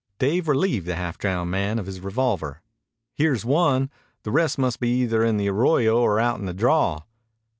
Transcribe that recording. Dave relieved the half drowned man of his revolver. "Here's one. The rest must be either in the arroyo or out in the draw."